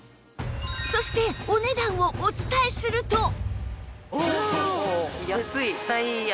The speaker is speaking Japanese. そしてお値段をお伝えすると